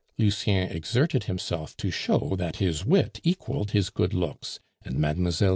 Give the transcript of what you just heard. Lucien exerted himself to show that his wit equaled his good looks, and Mlle.